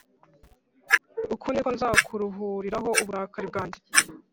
Uku ni ko nzakuruhuriraho uburakari bwanjye